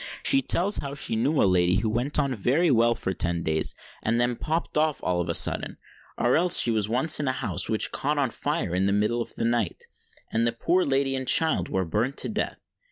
She tells how she knew a lady who went on very well for ten days, and then popped off all on a sudden; or else she was once in a house which caught on fire in the middle of the night, and the poor lady and child were burnt to death.